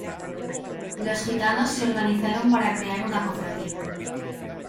Los gitanos se organizaron para crear una cofradía.